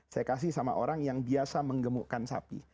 saya kasih sama orang yang biasa menggemukkan sapi